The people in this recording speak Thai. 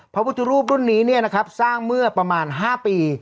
พระพุทธรูปรุ่นนี้สร้างเมื่อประมาณ๕ปี